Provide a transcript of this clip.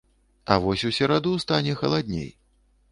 А вось у сераду стане халадней.